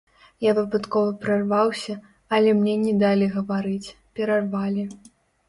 Я выпадкова прарваўся, але мне не далі гаварыць, перарвалі.